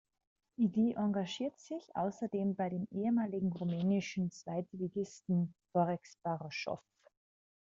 Ilie engagierte sich außerdem bei dem ehemaligen rumänischen Zweitligisten Forex Brașov.